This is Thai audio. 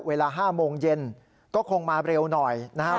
เวลา๕โมงเย็นก็คงมาเร็วหน่อยนะครับ